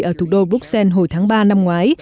ở thủ đô bruxelles hồi tháng ba năm ngoái